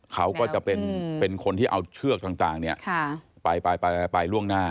เขาก็จะเป็นคนที่เอาเชือกต่างไปล่วงหน้า